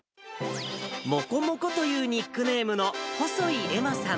モコモコというニックネームの、細井愛茉さん